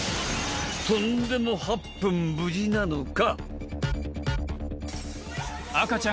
とんでもはっぷん無事なのか？